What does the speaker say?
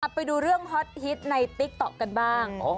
ไปดูเรื่องฮอตฮิตในติ๊กต๊อกกันบ้าง